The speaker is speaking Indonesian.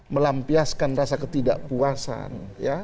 melampiaskan rasa ketidakpuasan